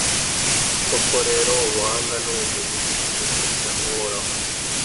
koko rero, ubuhanga n'ubumenyi ni ugutinya uhoraho